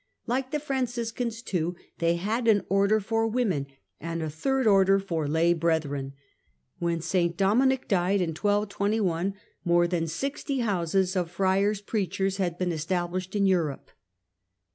Like the Franciscans, too, they had an Order for women and a " Third Order " for lay brethren. When St Dominic died in 1221 more than sixty houses of Friars Preachers had been established in Europe.